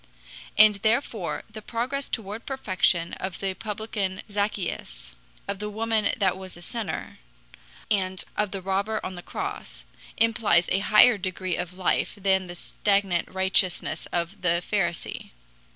And therefore the progress toward perfection of the publican Zaccheus, of the woman that was a sinner, and of the robber on the cross, implies a higher degree of life than the stagnant righteousness of the Pharisee.